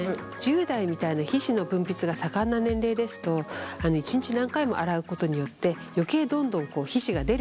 １０代みたいな皮脂の分泌が盛んな年齢ですと一日何回も洗うことによって余計どんどん皮脂が出る肌になって。